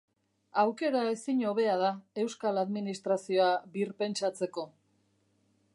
Aukera ezin hobea da euskal administrazioa birpentsatzeko.